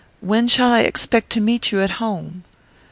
When shall I expect to meet you at home?"